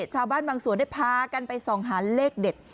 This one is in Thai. ชาวบ้านบางส่วนได้พากันไปส่องหาเลขเด็ด